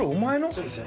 そうですよ。